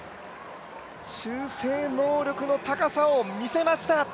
修正能力の高さを見せました。